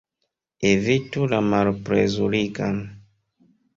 Evitu la malplezurigan!